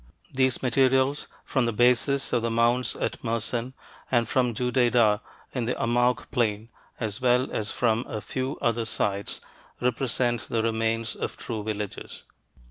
These materials from the bases of the mounds at Mersin, and from Judaidah in the Amouq plain, as well as from a few other sites, represent the remains of true villages.